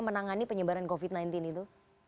menangani penyebaran covid sembilan belas itu